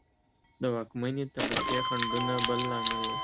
د واکمنې طبقې خنډونه بل لامل و.